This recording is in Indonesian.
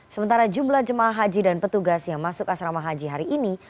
sementara jumlah jemaah haji dan petugas yang masuk asrama haji hari ini